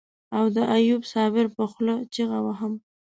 او د ايوب صابر په خوله چيغه وهم.